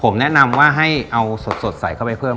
ผมแนะนำว่าให้เอาสดใส่เข้าไปเพิ่ม